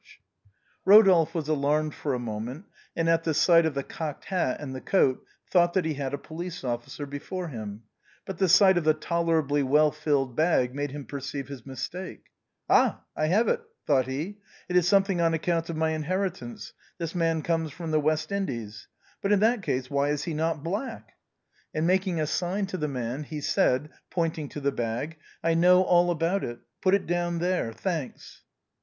113 114 THE BOHEMIANS OP THE LATIN QUARTER. Rodolphe was alarmed for a moment, and at the sight of the cocked hat and the coat thought that he had a police officer before him. But the sight of the tolerably well filled bag made him perceive his mistake. "Ah ! I have it," thought he, " it is something on ac count of my inheritance, this man comes from the West Indies. But in that case why is he not black ?" And making a sign to the man, he said, pointing to the bag, " I know all about it. Put it down there. Thanks."